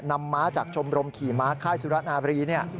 ม้าจากชมรมขี่ม้าค่ายสุรนาบรี